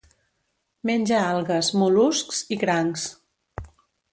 Menja algues, mol·luscs i crancs.